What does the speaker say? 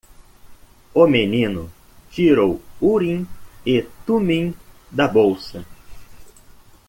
O menino tirou Urim e Tumim da bolsa.